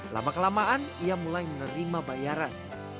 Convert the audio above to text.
lama kelamaan ia mulai menerima bayaran